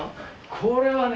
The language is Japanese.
これはね